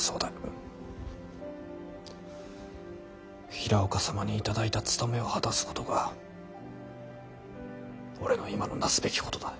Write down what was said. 平岡様に頂いた務めを果たすことが俺の今のなすべきことだ。